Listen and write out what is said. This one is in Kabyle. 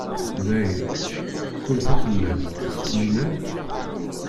Day, kul taxellalt, s tmellat?